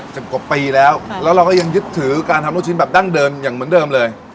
สิบกว่าปีแล้วแล้วเราก็ยังยึดถือการทำลูกชิ้นแบบดั้งเดิมอย่างเหมือนเดิมเลย